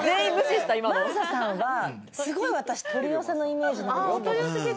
真麻さんはすごい私、お取り寄せのイメージ。